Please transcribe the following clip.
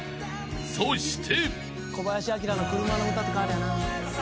［そして］